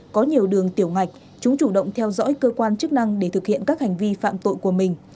có nhiều đường tiểu ngạch chúng chủ động theo dõi cơ quan chức năng để thực hiện các hành vi phạm tội của mình